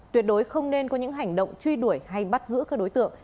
tuyệt đối không nên có những hành động truy đuổi hay bắt giữ các đối tượng